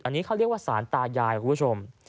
อันนี้เขาเรียกว่าสารตายายคุณผู้ชม